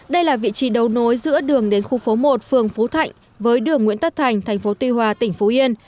đây là vị trí đầu nối giữa đường đến khu phố một phường phú thạnh với đường nguyễn tất thành tp tuy hòa tỉnh phú yên